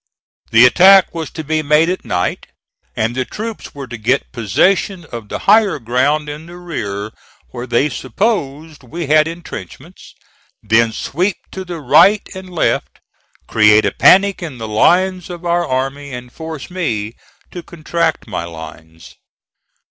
The attack was to be made at night, and the troops were to get possession of the higher ground in the rear where they supposed we had intrenchments, then sweep to the right and left, create a panic in the lines of our army, and force me to contract my lines.